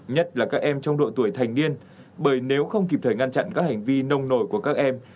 nhất là các em trong độ tuổi thành niên bởi nếu không kịp thời ngăn chặn các hành vi nông nổi của các em